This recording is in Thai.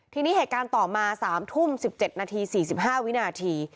ทีนี้เหตุการณ์ต่อมา๓ทุ่ม๑๗นาที๔๕วินาที